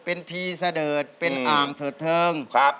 เป็นพี่ซะเดิดเป็นอ่ามเทิดเทิงครับ